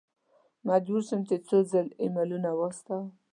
مجبور شوم څو ځل ایمیلونه واستوم.